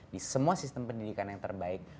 di semua sistem pendidikan yang terbaik